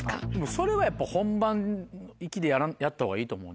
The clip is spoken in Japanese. それはやっぱ本番意気でやった方がいいと思うね。